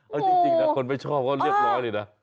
เอาจริงนะคนไม่ชอบก็เรียบร้อยเลยนะ